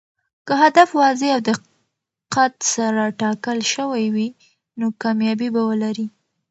که هدف واضح او دقت سره ټاکل شوی وي، نو کامیابي به ولري.